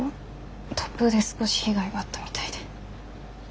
突風で少し被害があったみたいで。